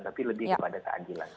tapi lebih kepada keadilan